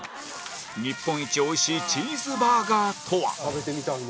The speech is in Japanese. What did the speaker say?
日本一おいしいチーズバーガーとは